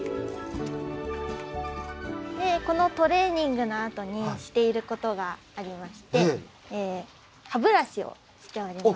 でこのトレーニングのあとにしていることがありまして歯ブラシをしております。